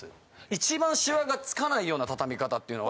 一番シワがつかないような畳み方っていうのは。